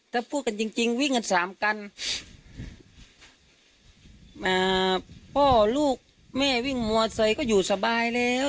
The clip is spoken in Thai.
ถ้าพูดกันจริงจริงวิ่งกันสามกันอ่าพ่อลูกแม่วิ่งมอเซยก็อยู่สบายแล้ว